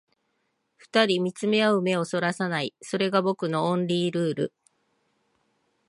二人見つめ合う目を逸らさない、それが僕のオンリールール